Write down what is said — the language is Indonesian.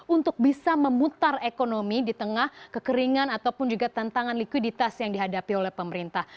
untuk bisa memutar ekonomi di tengah kekeringan ataupun juga tantangan likuiditas yang dihadapi oleh pemerintah